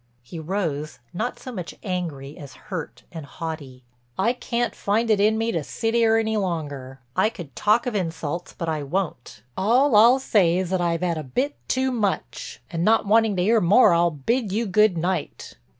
He rose, not so much angry as hurt and haughty. "I can't find it in me to sit 'ere any longer. I could talk of insults, but I won't. All I'll say is that I've 'ad a bit too much, and not wanting to 'ear more I'll bid you good night."